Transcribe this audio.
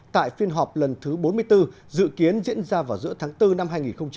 tại phiên họp lần thứ bốn mươi bốn dự kiến diễn ra vào giữa tháng bốn năm hai nghìn hai mươi